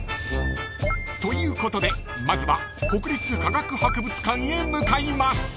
［ということでまずは国立科学博物館へ向かいます］